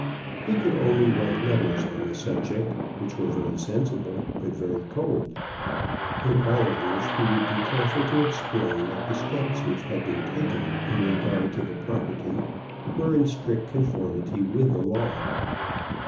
He could only write letters on the subject, which were very sensible but very cold; in all of which he would be careful to explain that the steps which had been taken in regard to the property were in strict conformity with the law.